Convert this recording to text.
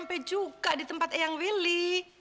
sampai juga di tempat yang willy